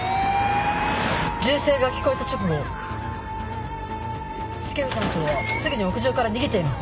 銃声が聞こえた直後重藤班長はすぐに屋上から逃げています。